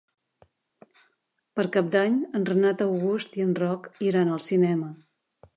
Per Cap d'Any en Renat August i en Roc iran al cinema.